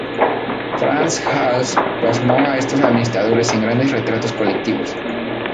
Frans Hals plasmó a estos administradores en grandes retratos colectivos.